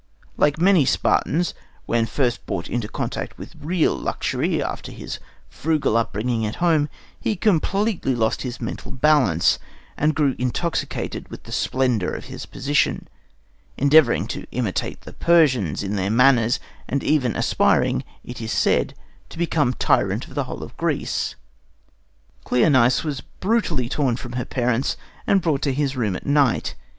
Like many Spartans, when first brought into contact with real luxury after his frugal upbringing at home, he completely lost his mental balance, and grew intoxicated with the splendour of his position, endeavouring to imitate the Persians in their manners, and even aspiring, it is said, to become tyrant of the whole of Greece. Cleonice was brutally torn from her parents and brought to his room at night.